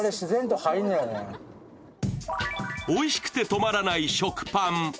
おいしくて止まらない食パン。